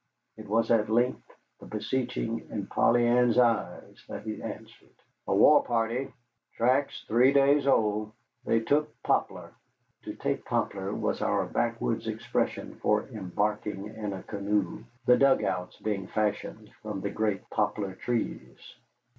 It was at length the beseeching in Polly Ann's eyes that he answered. "A war party tracks three days old. They took poplar." To take poplar was our backwoods expression for embarking in a canoe, the dugouts being fashioned from the great poplar trees.